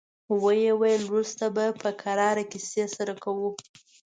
ويې ويل: وروسته به په کراره کيسې سره کوو.